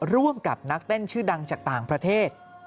ร่วมกับนักเต้นชื่อดังจากต่างประเทศ